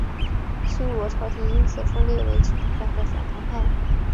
新罗朝延因此分裂为亲唐派和反唐派。